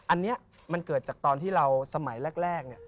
อันนี้มันเกิดจากตอนที่เราสมัยแรก